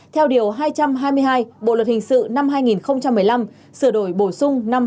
theo điều hai trăm hai mươi hai bộ luật hình sự năm hai nghìn một mươi năm sửa đổi bổ sung năm hai nghìn một mươi bảy